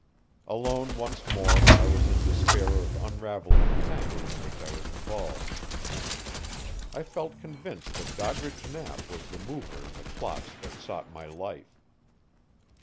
Alone once more I was in despair of unraveling the tangle in which I was involved. I felt convinced that Doddridge Knapp was the mover in the plots that sought my life.